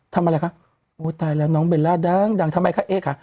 ทำอะไรคะโอ้ตายแล้วน้องเบลล่าดังดังทำไมคะเอ๊ะคะ